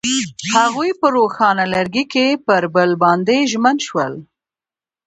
هغوی په روښانه لرګی کې پر بل باندې ژمن شول.